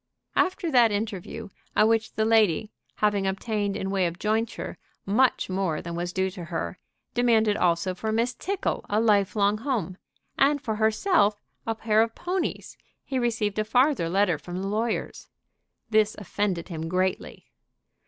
After that interview, at which the lady, having obtained in way of jointure much more than was due to her, demanded also for Miss Tickle a life long home, and for herself a pair of ponies, he received a farther letter from the lawyers. This offended him greatly.